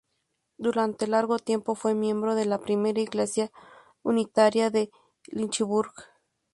Durante largo tiempo fue miembro de la Primera Iglesia Unitaria de Lynchburg.